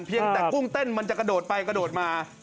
ยังแต่กุ้งเต้นมันจะกระโดดไปกระโดดมา